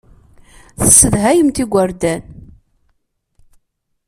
Tessedhayemt igerdan.